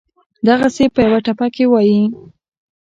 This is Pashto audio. دغسې پۀ يوه ټپه کښې وائي: